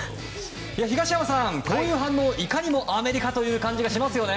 東山さん、こういう反応いかにもアメリカという感じですね。